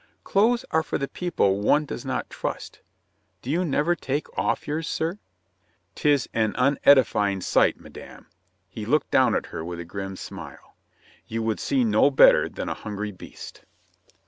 "Clothes are for the people one does not trust. Do you never take off yours, sir?" " 'Tis an unedifying sight, madame." He looked down at her with a grim smile. "You would see no better than a hungry beast."